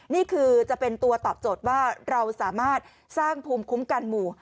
นี่คือจะเป็นตัวตอบโจทย์ว่าเราสามารถสร้างภูมิคุ้มกันหมู่